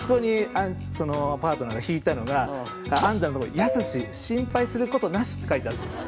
パートナーが引いたのが安産のとこに「やすし心配することなし」って書いてあって。